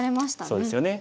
そうですよね。